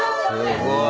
すごい！